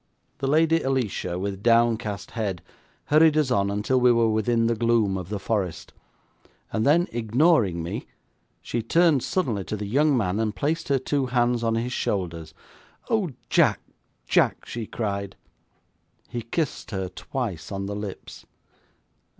The Lady Alicia, with downcast head, hurried us on until we were within the gloom of the forest, and then, ignoring me, she turned suddenly to the young man, and placed her two hands on his shoulders. 'Oh, Jack, Jack!' she cried. He kissed her twice on the lips.